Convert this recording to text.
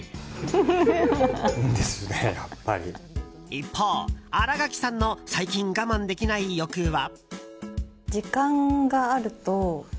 一方、新垣さんの最近、我慢できない欲は？